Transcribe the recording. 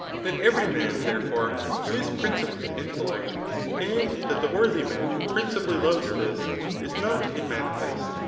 That every man, therefore, is principally intel lect, and that the worthy man principally loves this, is not immanifest.